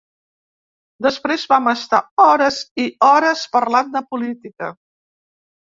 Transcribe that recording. Després vam estar hores i hores parlant de política.